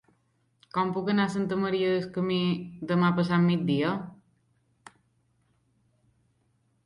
Com puc anar a Santa Maria del Camí demà passat al migdia?